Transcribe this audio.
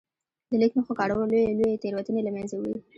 د لیک نښو کارول لويې لويې تېروتنې له منځه وړي.